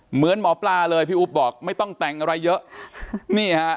เหมือนหมอปลาเลยพี่อุ๊บบอกไม่ต้องแต่งอะไรเยอะนี่ฮะ